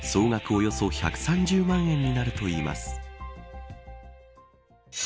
およそ１３０万円になるといいます。